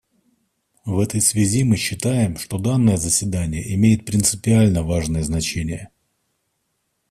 В этой связи мы считаем, что данное заседание имеет принципиально важное значение.